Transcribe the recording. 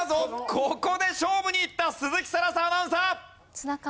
ここで勝負にいった鈴木新彩アナウンサー。